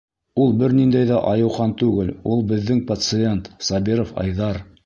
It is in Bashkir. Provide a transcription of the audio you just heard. — Ул бер ниндәй ҙә Айыухан түгел, ул беҙҙең пациент Сабиров Айҙар.